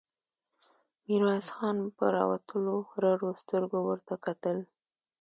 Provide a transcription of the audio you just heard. ميرويس خان په راوتلو رډو سترګو ورته کتل.